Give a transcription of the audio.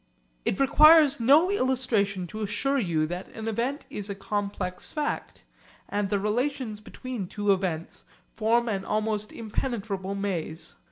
It requires no illustration to assure you that an event is a complex fact, and the relations between two events form an almost impenetrable maze.